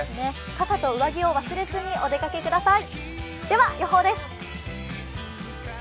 傘と上着を忘れずにお出かけください。